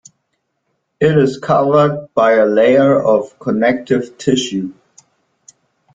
It is covered by a layer of connective tissue.